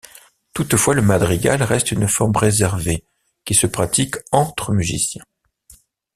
Toutefois le madrigal reste une forme réservée qui se pratique entre musiciens.